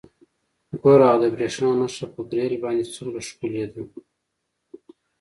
ګوره هغه د بریښنا نښه په ګریل باندې څومره ښکلې ده